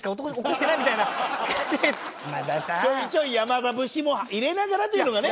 ちょいちょい山田節も入れながらというのがね。